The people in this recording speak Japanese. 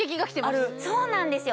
あるそうなんですよ